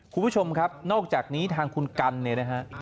คุณผู้ชมครับนอกจากนี้ทางคุณกันเนี่ยนะฮะ